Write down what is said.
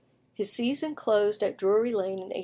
His season closed at Drury Lane in 1843.